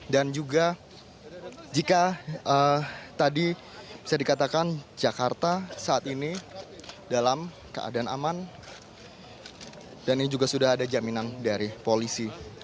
juga jika tadi bisa dikatakan jakarta saat ini dalam keadaan aman dan ini juga sudah ada jaminan dari polisi